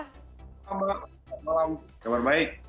selamat malam kabar baik